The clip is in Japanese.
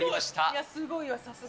いや、すごいわ、さすが。